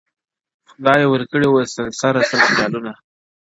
خداى وركړي وه سل سره سل خيالونه-